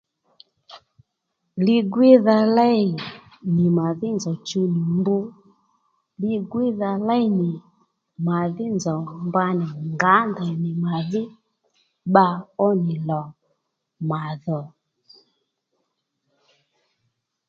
Li gwíydha léynì màdhí nzòw chuw nì mbr li gwíydha léynì mà dhí nzòw mba nì ngǎ ndèy nì màdhí bba ó nì lò màdhò